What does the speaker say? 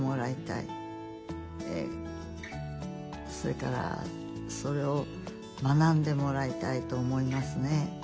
それからそれを学んでもらいたいと思いますね。